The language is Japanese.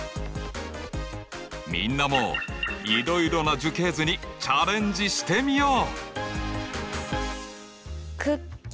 みんなもいろいろな樹形図にチャレンジしてみよう！